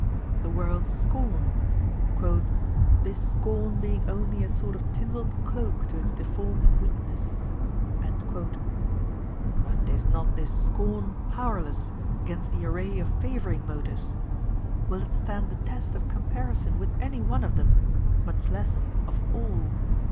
The world's scorn "this scorn being only a sort of tinseled cloak to its deformed weakness." But is not this scorn powerless against the array of favoring motives? Will it stand the test of comparison with any one of them, much less of all?